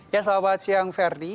ya selamat siang ferdi